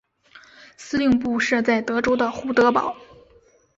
司令部设在德州的胡德堡。